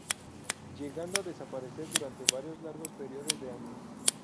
Llegando a desaparecer durante varios largos periodos de años.